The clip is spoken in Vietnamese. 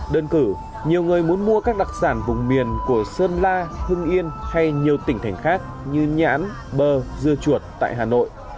đơn cử nhiều người muốn mua các đặc sản vùng miền của sơn la hưng yên hay nhiều tỉnh thành khác như nhãn bơ dưa chuột tại hà nội